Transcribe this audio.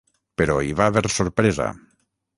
Però hi va haver sorpresa.